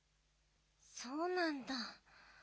そうなんだ。